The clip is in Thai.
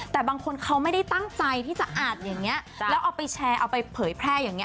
แต่บางคนเขาไม่ได้ตั้งใจที่จะอ่านอย่างนี้แล้วเอาไปแชร์เอาไปเผยแพร่อย่างนี้